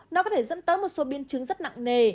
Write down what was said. nó có thể dẫn tới một số biến chứng rất nặng nề